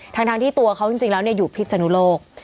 ทั้งที่ตัวเขาจริงแล้วอยู่พิษนุโลก